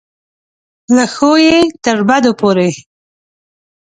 له ښو یې تر بدو پورې.